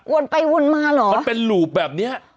วนไปวนมาเหรอมันเป็นหลูบแบบเนี้ย